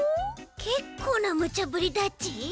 けっこうなムチャぶりだち。